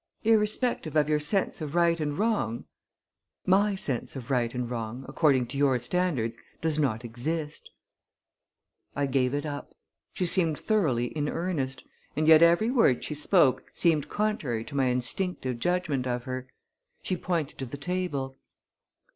"Irrespective of your sense of right and wrong?" "My sense of right and wrong, according to your standards, does not exist." I gave it up. She seemed thoroughly in earnest, and yet every word she spoke seemed contrary to my instinctive judgment of her. She pointed to the table.